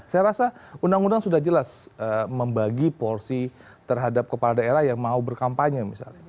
saya rasa undang undang sudah jelas membagi porsi terhadap kepala daerah yang mau berkampanye misalnya